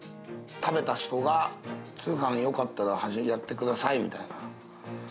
食べた人が、通販よかったら始めやってくださいみたいな。